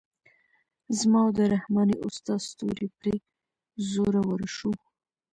زما او د رحماني استاد ستوری پرې زورور شو.